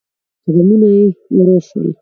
قدمونه يې ورو شول.